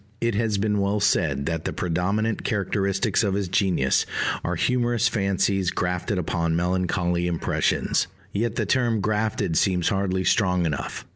It has been well said that "the predominant characteristics of his genius are humorous fancies grafted upon melancholy impressions." Yet the term "grafted" seems hardly strong enough.